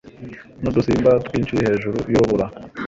n'udusimba twinshi hejuru y'urubura